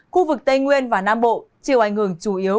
khu vực tây nguyên và nam bộ chiều ảnh hưởng chủ yếu